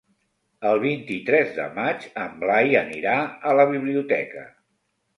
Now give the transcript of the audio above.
El vint-i-tres de maig en Blai anirà a la biblioteca.